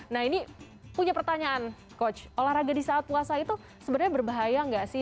nah ini punya pertanyaan coach olahraga di saat puasa itu sebenarnya berbahaya nggak sih